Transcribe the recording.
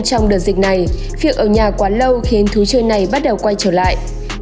trong đợt dịch này việc ở nhà quá lâu khiến thú chơi này bắt đầu quay trở lại